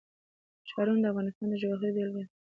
ښارونه د افغانستان د جغرافیې بېلګه ده.